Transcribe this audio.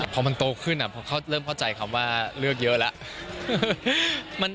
พอมันโตขึ้นพอเขาเริ่มเข้าใจคำว่าเลือกเยอะแล้ว